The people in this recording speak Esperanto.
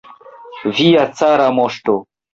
Via cara moŝto!